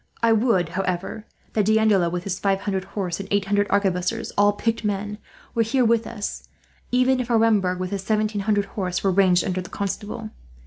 I would, however, that D'Andelot, with his five hundred horse and eight hundred arquebusiers, all picked men, were here with us; even if Aremberg, with his seventeen hundred horse, were ranged under the Constable.